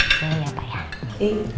iya pak ya